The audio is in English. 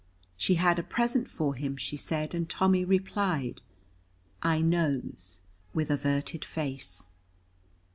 She had a present for him, she said, and Tommy replied, "I knows," with averted face.